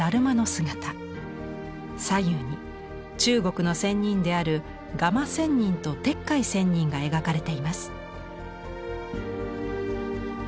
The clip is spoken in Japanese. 左右に中国の仙人である蝦蟇仙人と鉄拐仙人が描かれています。